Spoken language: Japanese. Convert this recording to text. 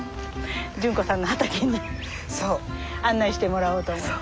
潤子さんの畑に案内してもらおうと思って。